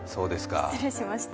失礼しました。